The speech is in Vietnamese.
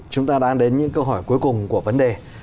chúng ta đang đến những câu hỏi cuối cùng của vấn đề